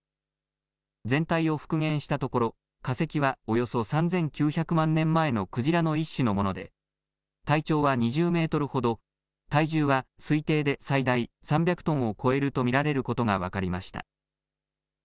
全体を復元したところ化石はおよそ３９００万年前のクジラの一種のもので体長は２０メートルほど、体重は推定で最大３００トンを超えると見られることが分かりました。